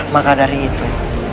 maka dari itu